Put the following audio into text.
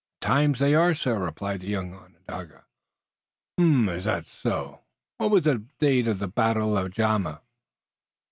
"At times they are, sir," replied the young Onondaga. "Um m. Is that so? What was the date of the battle of Zama?"